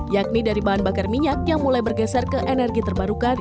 yakni dari bahan bakar minyak yang mulai bergeser ke energi terbarukan